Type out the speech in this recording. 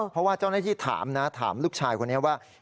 เพราะว่าเจ้าหน้าที่ถามนะถามลูกชายคนนี้ว่า